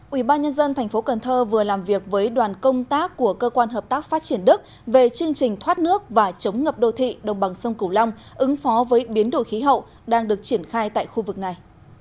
ubnd tp cần thơ vừa làm việc với đoàn công tác của cơ quan hợp tác phát triển đức về chương trình thoát nước và chống ngập đô thị đồng bằng sông cửu long ứng phó với biến đổi khí hậu đang được triển khai tại khu vực này